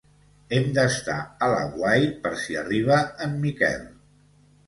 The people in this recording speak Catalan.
Hem d'estar a l'aguait per si arriba en Miquel.